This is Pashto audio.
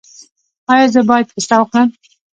ایا زه باید پسته وخورم؟